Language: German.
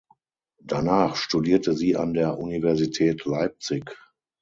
Danach studierte sie an der Universität Leipzig.